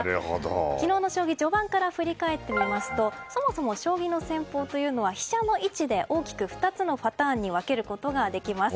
昨日の将棋、序盤から振り返ってみますとそもそも将棋の戦法は飛車の位置で大きく２つのパターンに分けることができます。